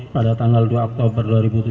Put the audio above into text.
pada tanggal dua oktober dua ribu tujuh belas